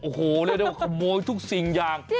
โอ้โหเรียกได้ว่าขโมยทุกสิ่งอย่าง